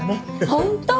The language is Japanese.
本当？